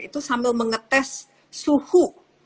itu sambil mengetes suhu